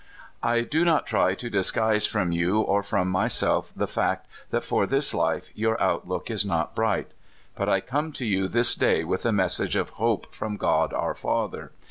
" I do not try to disguise from you or frorn my self the fact that for this life your outlook is not bright. But I come to you this day wath a message of hope from God our Father.